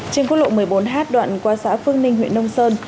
trên quốc lộ một mươi bốn h đoạn qua xã phương ninh huyện nông sơn